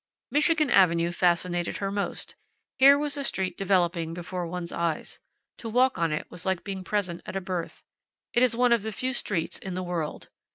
Michigan Avenue fascinated her most. Here was a street developing before one's eyes. To walk on it was like being present at a birth. It is one of the few streets in the world.